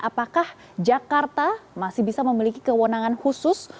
apakah jakarta masih bisa memiliki kewenangan khusus